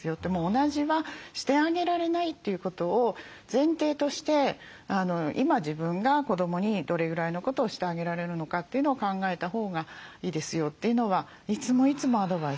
同じはしてあげられないということを前提として今自分が子どもにどれぐらいのことをしてあげられるのかというのを考えたほうがいいですよというのはいつもいつもアドバイスしています。